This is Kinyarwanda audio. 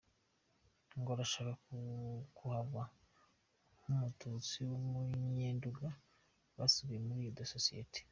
Ngo arashaka kuhava nta mututsi n’umunyenduga basigaye muri iyo sosiyeti.